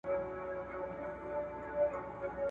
پاچهي د جهان ورکړې نه مړیږي,